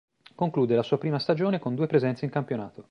Conclude la sua prima stagione con due presenze in campionato.